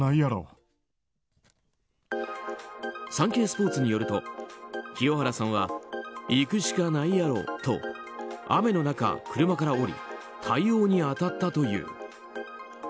サンケイスポーツによると清原さんは行くしかないやろと雨の中、車から降り対応に当たったという。